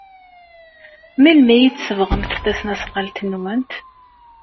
Melmi ay tsebɣemt tasnasɣalt-nwent?